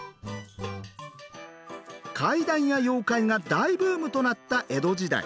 怪談や妖怪が大ブームとなった江戸時代。